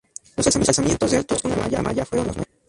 Los alzamientos de Alto Songo y La Maya fueron los mayores.